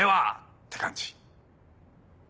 って感じ。